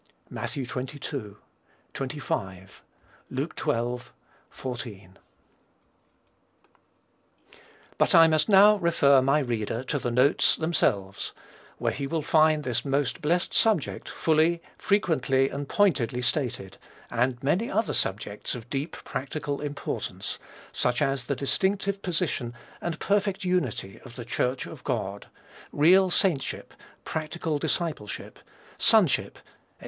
(Matt. xxii., xxv.; Luke xii., xiv.) But I must now refer my reader to the "Notes" themselves, where he will find this most blessed subject fully, frequently, and pointedly stated, and many other subjects of deep practical importance; such as the distinctive position and perfect unity of the Church of God; real saintship; practical discipleship; sonship; &c.